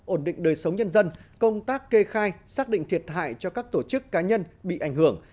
ổn định đời sống nhân dân công tác kê khai xác định thiệt hại cho các tổ chức cá nhân bị ảnh hưởng